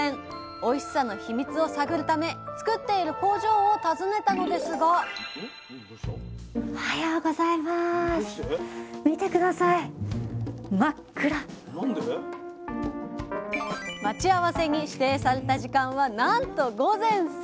おいしさの秘密を探るため作っている工場を訪ねたのですが待ち合わせに指定された時間はなんと午前３時です。